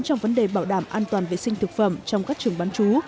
trong vấn đề bảo đảm an toàn vệ sinh thực phẩm trong các trường bán chú